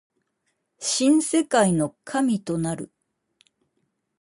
新世界の神となる